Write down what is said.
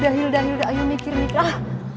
dahil dahil dahil mikir nih kah